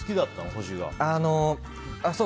星が。